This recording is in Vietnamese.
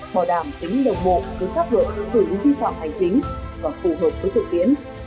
bảo đảm tính đồng bộ với pháp luật sử dụng vi phạm hành chính và phù hợp với thực tiến